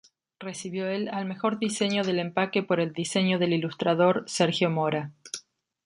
Recibió el al mejor diseño de empaque por el diseño del ilustrador Sergio Mora.